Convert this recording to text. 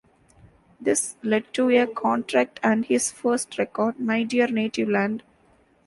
This led to a contract and his first record, "My Dear Native Land".